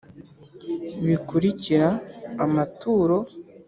bikurikira amaturo .